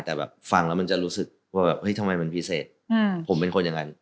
แต่แบบฟังแล้วมันจะรู้สึกว่าแบบเฮ้ยทำไมมันพิเศษผมเป็นคนอย่างนั้น